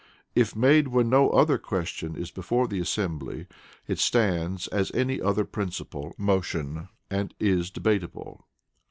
If made when no other question is before the asembly, it stands as any other principal motion, and is debatable.